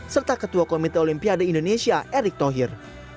serta ketua komite olimpiade indonesia erick thohir